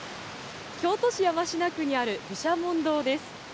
京都市山科区にある毘沙門堂です。